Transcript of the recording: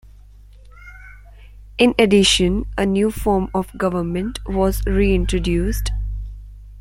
In addition, a new form of government was reintroduced.